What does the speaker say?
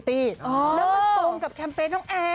แล้วมันตรงกับแคมเปญน้องแอร์